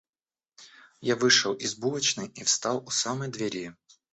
Я вышел из булочной и встал у самой двери.